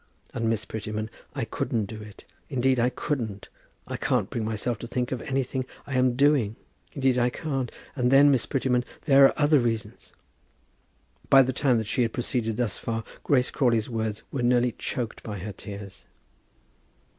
And, Miss Prettyman, I couldn't do it, indeed I couldn't. I can't bring myself to think of anything I am doing. Indeed I can't; and then, Miss Prettyman, there are other reasons." By the time that she had proceeded thus far, Grace Crawley's words were nearly choked by her tears.